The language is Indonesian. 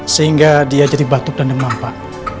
sehingga dia jadi batuk dan demam pak